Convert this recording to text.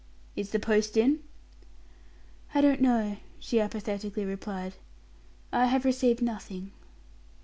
"Is the post in?" "I don't know," she apathetically replied. "I have received nothing."